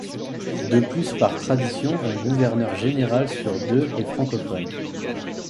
De plus, par tradition, un gouverneur général sur deux est francophone.